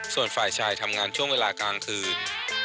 ส่วนฝ่ายชายทำงานช่วงเวลากลางคืน